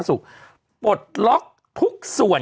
ถูกต้องถูกต้อง